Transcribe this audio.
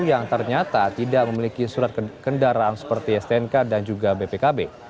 yang ternyata tidak memiliki surat kendaraan seperti stnk dan juga bpkb